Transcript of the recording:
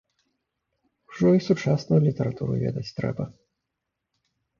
Ужо і сучасную літаратуру ведаць трэба.